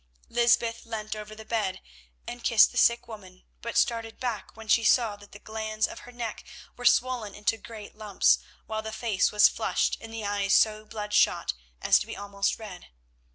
Lysbeth leant over the bed and kissed the sick woman, but started back when she saw that the glands of her neck were swollen into great lumps, while the face was flushed and the eyes so bloodshot as to be almost red.